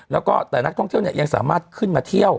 แล้วก็แต่นักท่องเที่ยวเนี่ยยังสามารถขึ้นมาเที่ยว